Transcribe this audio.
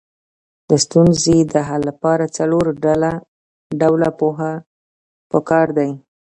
د ستونزې د حل لپاره څلور ډوله پوهه پکار ده.